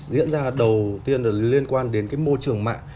diễn ra đầu tiên liên quan đến môi trường mạng